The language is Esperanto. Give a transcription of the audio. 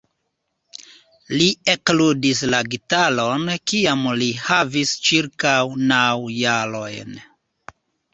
Li ekludis la gitaron kiam li havis ĉirkaŭ naŭ jarojn.